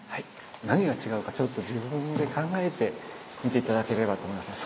何が違うかちょっと自分で考えて見て頂ければと思いますね。